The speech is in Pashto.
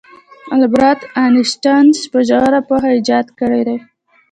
البرت انیشټین په ژوره پوهه ایجاد کړی دی.